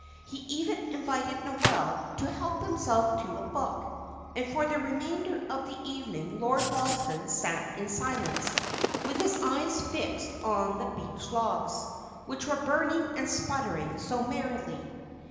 He even invited Noel to help himself to a book, and for the remainder of the evening Lord Ralston sat in silence, with his eyes fixed on the beech logs, which were burning and sputtering so merrily.